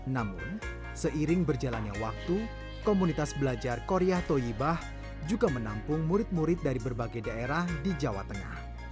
namun seiring berjalannya waktu komunitas belajar korea toyibah juga menampung murid murid dari berbagai daerah di jawa tengah